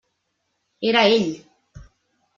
Era ell!